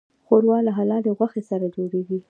ښوروا له حلالې غوښې سره جوړیږي.